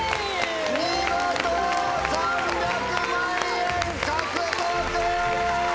見事３００万円獲得！